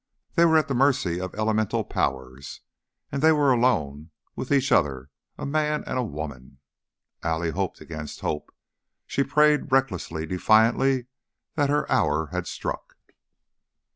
They were at the mercy of elemental powers, and they were alone with each other a man and a woman. Allie hoped against hope; she prayed recklessly, defiantly, that her hour had struck.